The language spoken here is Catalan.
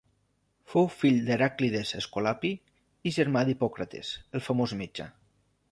Fou fill d'Heràclides Escolapi i germà d'Hipòcrates, el famós metge.